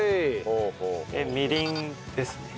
みりんですね。